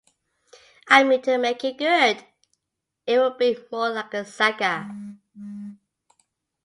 I mean to make it good; it will be more like a saga.